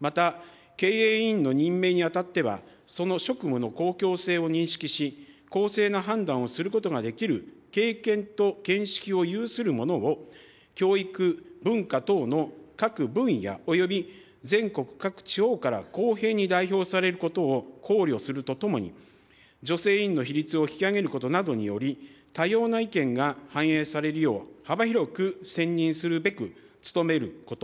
また、経営委員の任命にあたっては、その職務の公共性を認識し、公正な判断をすることができる経験と見識を有する者を、教育、文化等の各分野および全国各地方から公平に代表されることを考慮するとともに、女性委員の比率を引き上げることなどにより、多様な意見が反映されるよう、幅広く選任するべく努めること。